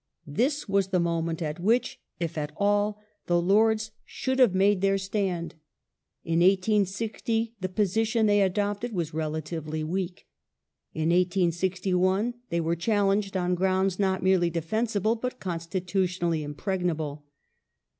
This was the moment at which, if at all, the Lords should have made their stand. In 1860 the position they adopted was relatively weak. In 1861 they were challenged on grounds not merely defensible but constitutionally impregnable.